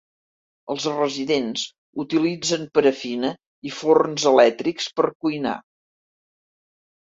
Els residents utilitzen parafina i forns elèctrics per cuinar.